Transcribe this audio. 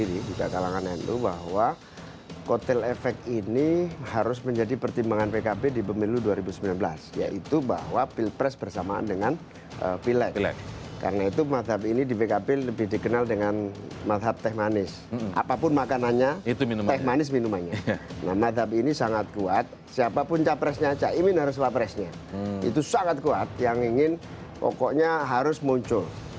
itu sangat kuat yang ingin pokoknya harus muncul